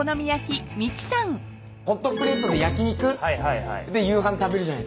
ホットプレートで焼き肉で夕飯食べるじゃないっすか。